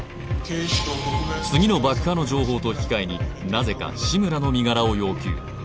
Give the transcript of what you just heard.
警視庁特命次の爆破の情報と引き換えになぜか志村の身柄を要求